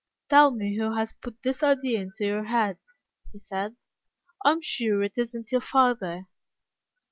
"Tell me who has put this idea into your head?" he said. "I am sure it isn't your father."